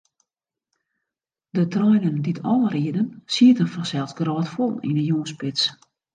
De treinen dy't ál rieden, sieten fansels grôtfol yn 'e jûnsspits.